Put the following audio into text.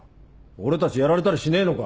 俺たちやられたりしねえのか？